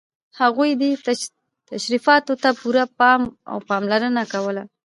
هغوی دې تشریفاتو ته پوره پام او پاملرنه کوله.